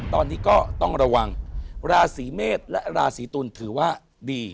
ตอนนี้ก็ต้องระวังราศีเมษและราศีตุลถือว่าดี